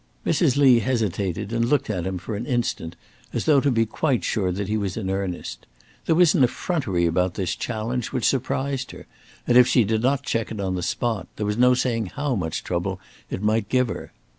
Mrs. Lee hesitated and looked at him for an instant as though to be quite sure that he was in earnest. There was an effrontery about this challenge which surprised her, and if she did not check it on the spot, there was no saying how much trouble it might give her.